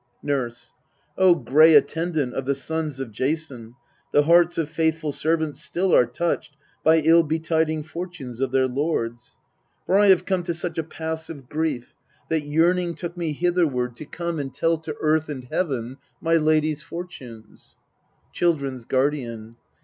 Nurse. O gray attendant of the sons of Jason, The hearts of faithful servants still are touched By ill betiding fortunes of their lords. For I have come to such a pass of grief, That yearning took me hit her ward to come MEDEA 245 And tell to earth and heaven my lady's fortunes. Children s Guardian.